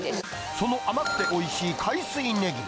その甘くておいしい海水ねぎ。